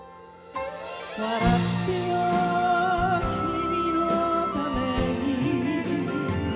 「笑ってよ君のために」